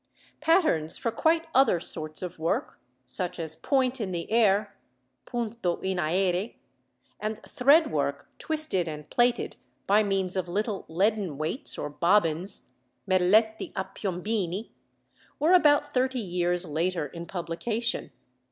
Patterns for quite other sorts of work, such as point in the air (punto in aere) and thread work twisted and plaited by means of little leaden weights or bobbins (merletti a piombini), were about thirty years later in publication.